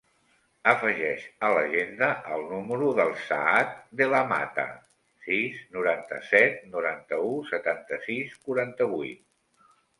Afegeix a l'agenda el número del Saad De La Mata: sis, noranta-set, noranta-u, setanta-sis, quaranta-vuit.